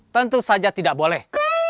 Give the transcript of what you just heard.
tentu saja tidak boleh